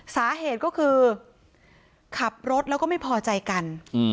สาเหตุก็คือขับรถแล้วก็ไม่พอใจกัน